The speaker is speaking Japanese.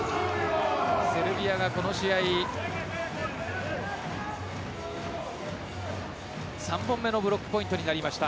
セルビアがこの試合３本目のブロックポイントになりました。